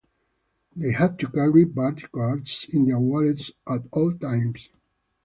They had to carry "party cards" in their wallets at all times.